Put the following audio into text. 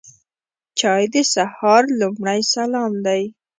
چای د سهار لومړی سلام دی.